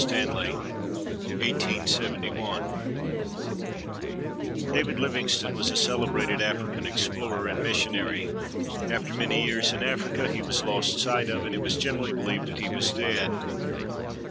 STANLEY [David Livingstone was a celebrated African explorer and missionary. After many years in Africa, he was lost sight of, and It was generally believed that he was dead.